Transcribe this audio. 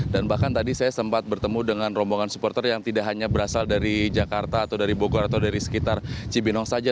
dan bahkan tadi saya sempat bertemu dengan rombongan supporter yang tidak hanya berasal dari jakarta atau dari bogor atau dari sekitar cibinong saja